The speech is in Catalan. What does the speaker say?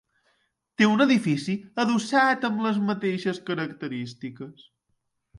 Té un edifici adossat amb les mateixes característiques.